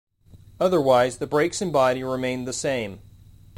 Otherwise, the brakes and body remained the same.